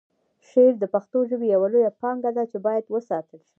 شعر د پښتو ژبې یوه لویه پانګه ده چې باید وساتل شي.